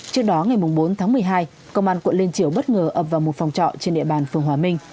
trước đó ngày bốn tháng một mươi hai công an quận liên triều bất ngờ ập vào một phòng trọ trên địa bàn phường hòa minh